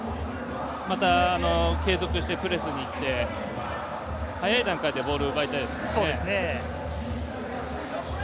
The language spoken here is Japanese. また継続してプレスに行って早い段階でボールを奪いたいですね。